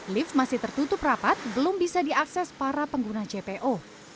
lift masih tertutup rapat belum bisa diakses para pengguna jpo